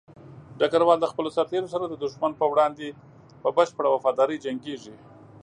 ډګروال د خپلو سرتېرو سره د دښمن په وړاندې په بشپړه وفاداري جنګيږي.